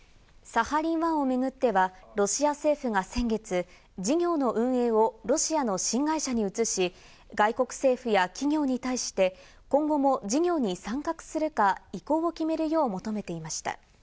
サハリン１をめぐってはロシア政府が先月、事業の運営をロシアの新会社に移し、外国政府や企業に対して、今後も事業に参画するか意向を決めるよう、求めていました。